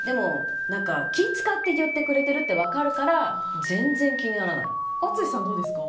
気を使って言ってくれてるって分かるから淳さんはどうですか？